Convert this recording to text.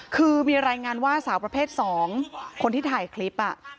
คือมีรายงานว่าสาวประเภท๒คนที่ถ่ายคลิป